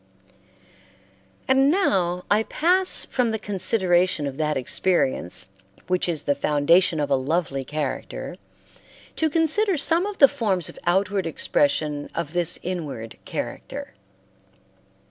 And now I pass from the consideration of that experience which is the foundation of a lovely character to consider some of the forms of outward expression of this inward character.